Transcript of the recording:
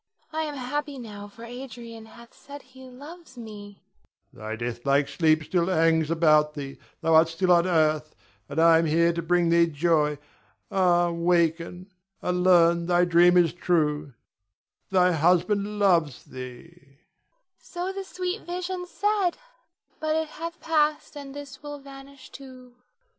I am happy now for Adrian hath said he loves me. Adrian. Thy deathlike sleep still hangs about thee, thou art still on earth, and I am here to bring thee joy. Ah, waken and learn thy dream is true. Thy husband loves thee. Nina. So the sweet vision said, but it hath passed, and this will vanish too.